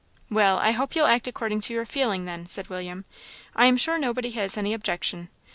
"Well, I hope you'll act according to your feeling, then," said William; "I am sure nobody has any objection.